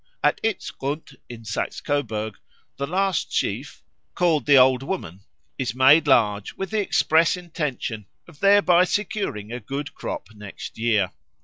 At Itzgrund, in Saxe Coburg, the last sheaf, called the Old Woman, is made large with the express intention of thereby securing a good crop next year.